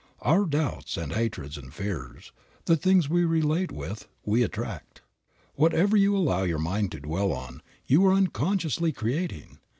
Our doubts and hatreds and fears; the thing we relate with, we attract. Whatever you allow your mind to dwell on, you are unconsciously creating.